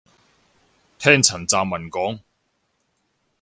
聽陳湛文講